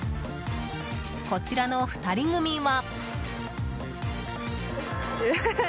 こちらの２人組は。